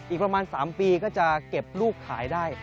อีกประมาณ๓ปีก็จะเก็บลูกขายได้